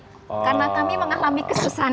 karena kami mengalami kesusahan